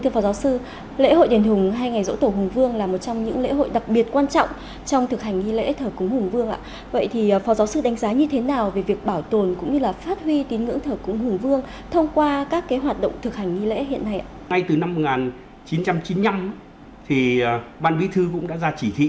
phó giáo sư tiến sĩ phạm ngọc trung